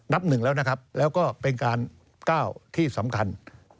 หนึ่งแล้วนะครับแล้วก็เป็นการก้าวที่สำคัญ